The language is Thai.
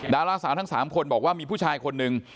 ดาราสาวทั้ง๓คนบอกว่ามีผู้ชายคนหนึ่ง